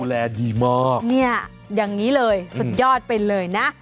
แหละดีมากเนี่ยอย่างนี้เลยสุดยอดไปเลยนะ